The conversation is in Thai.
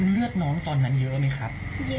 เลือดน้องตอนนั้นเยอะไหมครับ